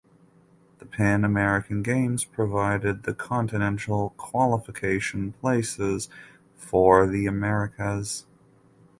The Pan American Games provided the continental qualification places for the Americas.